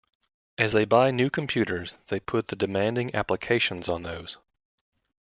As they buy new computers, they put the demanding applications on those.